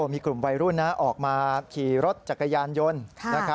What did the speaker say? มีกลุ่มวัยรุ่นออกมาขี่รถจักรยานยนต์